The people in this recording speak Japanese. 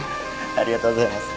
ありがとうございます。